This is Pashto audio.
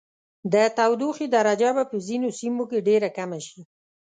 د تودوخې درجه به په ځینو سیمو کې ډیره کمه شي.